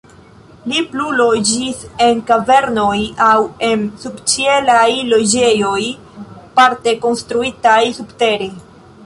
Ili plu loĝis en kavernoj aŭ en subĉielaj loĝejoj, parte konstruitaj subtere.